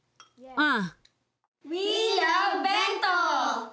うん！